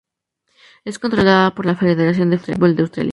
Es controlada por la Federación de Fútbol de Australia.